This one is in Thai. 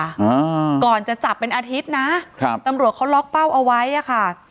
อ่าก่อนจะจับเป็นอาทิตย์นะครับตำรวจเขาล็อกเป้าเอาไว้อ่ะค่ะ